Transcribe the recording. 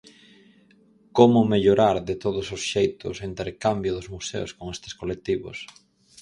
Como mellorar, de todos os xeitos, o intercambio dos museos con estes colectivos?